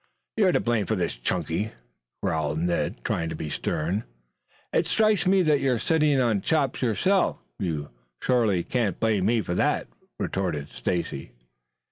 "You are to blame for this, Chunky," growled Ned, trying to be stern. "It strikes me that you are sitting on Chops yourself. You surely can't blame me for that," retorted Stacy.